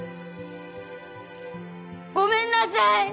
ごめんなさい！